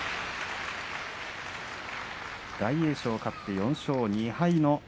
大栄翔、勝って４勝２敗。